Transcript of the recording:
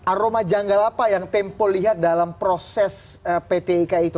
aroma janggal apa yang tempo lihat dalam proses pt ika itu